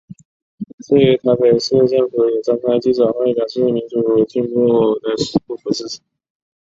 至于台北市政府也召开记者会表示民主进步党立法委员谢欣霓说法皆不符事实。